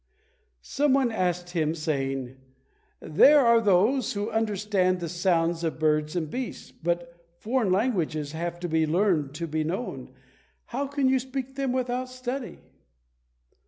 Some one asked him, saying, "There are those who understand the sounds of birds and beasts, but foreign languages have to be learned to be known; how can you speak them without study?"